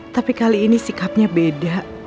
tapi kali ini sikapnya beda